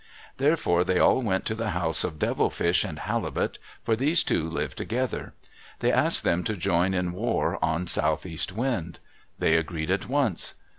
Therefore they all went to the house of Devilfish and Halibut, for these two lived together. They asked them to join in war on Southeast Wind. They agreed at once.